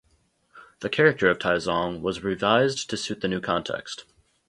The character of Taizong was revised to suit the new context.